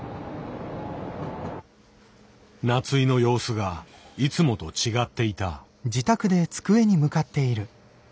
夏井の様子がいつもと違っていた。